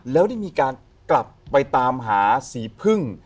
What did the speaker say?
แล้วได้มีการกลับไปตามหาสีพึ่ง